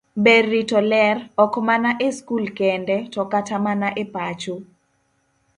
Ber rito ler, ok mana e skul kende, to kata mana e pacho.